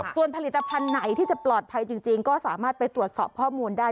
ส่วนผลิตภัณฑ์ไหนที่จะปลอดภัยจริงก็สามารถไปตรวจสอบข้อมูลได้